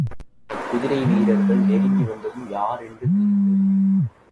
அந்தக் குதிரை வீரர்கள் நெருங்கி வந்ததும் யார் என்று தெரிந்தது.